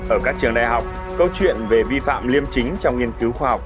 ở các trường đại học câu chuyện về vi phạm liêm chính trong nghiên cứu khoa học